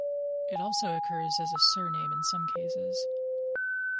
It also occurs as a surname in some cases.